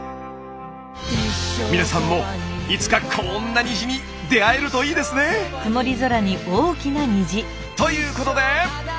皆さんもいつかこんな虹に出会えるといいですね！ということで！